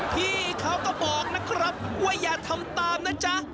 พี่เขาก็บอกนะครับว่าอย่าทำตามนะจ๊ะ